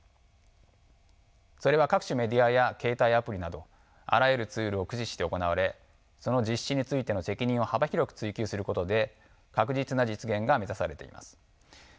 それは各種メディアや携帯アプリなどあらゆるツールを駆使して行われその実施についての責任を幅広く追及することで確実な実現が目指されています。